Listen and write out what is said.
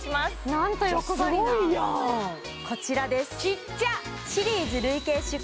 何と欲張りなすごいやんこちらですちっちゃ！